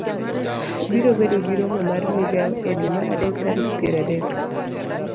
Biro bedo gi romo mar migawo e dwe mar adek tarik piero adek ,